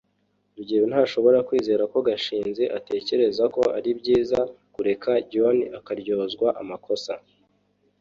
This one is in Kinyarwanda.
rugeyo ntashobora kwizera ko gashinzi atekereza ko ari byiza kureka john akaryozwa amakosa